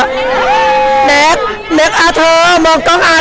อ่าแมมแมมแขนมกล้องอ่าน